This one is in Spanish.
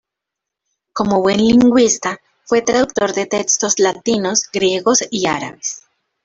Como buen lingüista, fue traductor de textos latinos, griegos y árabes.